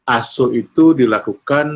asso itu dilakukan